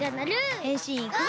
へんしんいくぞ！